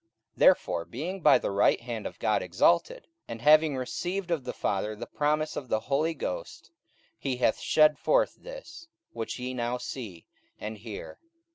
44:002:033 Therefore being by the right hand of God exalted, and having received of the Father the promise of the Holy Ghost, he hath shed forth this, which ye now see and hear.